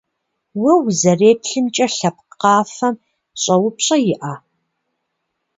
Уэ узэреплъымкӏэ, лъэпкъ къафэм щӀэупщӀэ иӀэ?